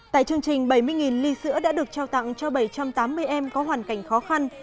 tại chương trình bảy mươi ly sữa đã được trao tặng cho bảy trăm tám mươi em có hoàn cảnh khó khăn